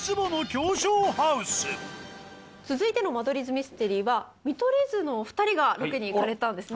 続いての間取り図ミステリーは見取り図のお２人がロケに行かれたんですね。